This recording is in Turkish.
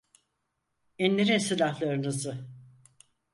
İndirin silahlarınızı!